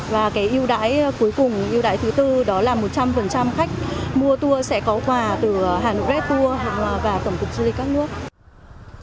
và yêu đáy cuối cùng yêu đáy thứ bốn đó là một trăm linh khách mua tour sẽ có quà từ hà nội red tour và tổng cục du lịch các nước